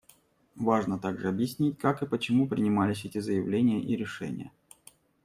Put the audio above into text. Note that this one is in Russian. Важно также объяснить, как и почему принимались эти заявления и решения.